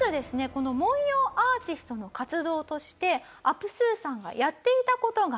この文様アーティストの活動としてアプスーさんがやっていた事があります。